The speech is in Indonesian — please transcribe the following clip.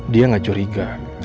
dia gak curiga